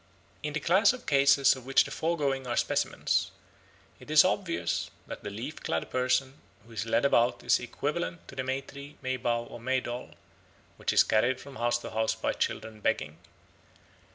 In the class of cases of which the foregoing are specimens it is obvious that the leaf clad person who is led about is equivalent to the May tree, May bough, or May doll, which is carried from house to house by children begging.